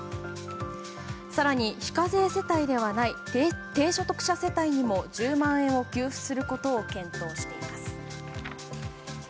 更に非課税世帯ではない低所得世帯にも１０万円を給付することを検討しています。